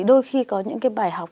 đôi khi có những cái bài học